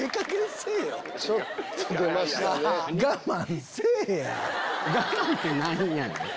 「我慢」って何やねん。